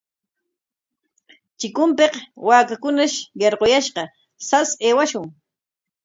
Chikunpik waakakunash yarquyashqa, sas aywashun.